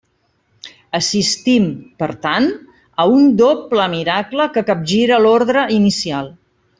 Assistim, per tant, a un doble miracle que capgira l'ordre inicial.